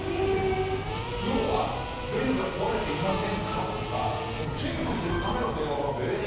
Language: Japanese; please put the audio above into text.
要は「ベルが壊れていませんか？」とかチェックするための電話番号。